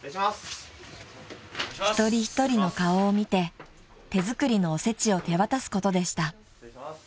［一人一人の顔を見て手作りのおせちを手渡すことでした］